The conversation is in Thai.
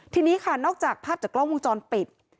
ทีนี้ค่ะนอกจากภาพจากกล้องวงจรปิด